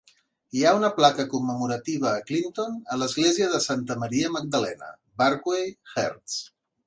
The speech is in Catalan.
Hi ha una placa commemorativa a Clinton a l'església de Santa Maria Magdalena, Barkway, Herts.